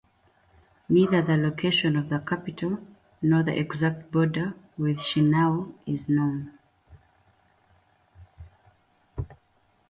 Neither the location of the capital nor the exact border with Shinano is known.